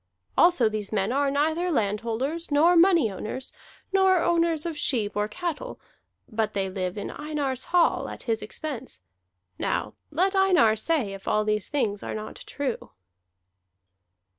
Also these men are neither landholders, nor money owners, nor owners of sheep or cattle; but they live in Einar's hall at his expense. Now let Einar say if all these things are not true."